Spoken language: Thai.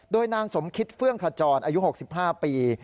โดยนางสมคิดเฟื่องขจรอายุ๖๕ปี